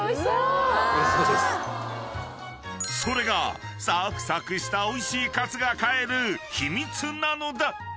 ［それがサクサクしたおいしいカツが買える秘密なのだ］